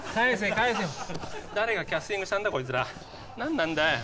誰がキャスティングしたんだ？